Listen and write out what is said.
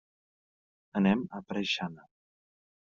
Anem a Preixana.